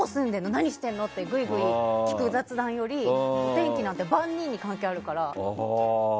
何してるの？ってグイグイ聞く雑談よりお天気なんて万人に関係あるから。